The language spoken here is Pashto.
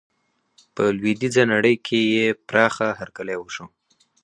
په لویدیزه نړۍ کې یې پراخه هرکلی وشو.